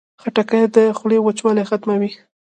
خټکۍ د خولې وچوالی ختموي.